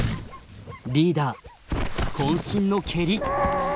リーダーこん身の蹴り！